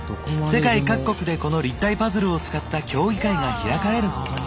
世界各国でこの立体パズルを使った競技会が開かれるほどに。